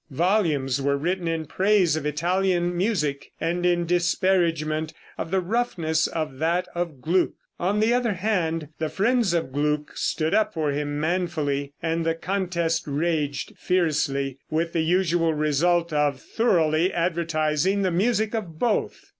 Volumes were written in praise of Italian music, and in disparagement of the roughnesses of that of Gluck. On the other hand, the friends of Gluck stood up for him manfully, and the contest raged fiercely with the usual result of thoroughly advertising the music of both.